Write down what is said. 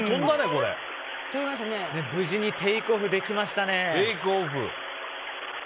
無事にテイクオフできましたね。